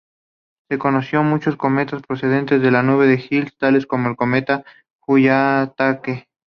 Se conocen muchos cometas procedentes de la nube de Hills, tales como cometa Hyakutake.